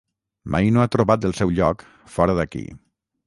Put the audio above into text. Mai no ha trobat el seu lloc, fora d'aquí.